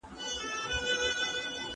د سرطان څېړنه د ناروغانو ژوند ښه کوي.